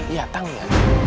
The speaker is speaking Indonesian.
iya tang ya